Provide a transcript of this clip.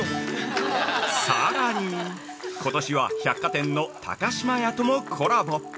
◆さらに、今年は百貨店の高島屋ともコラボ。